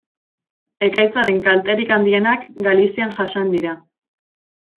Ekaitzaren kalterik handienak Galizian jasan dira.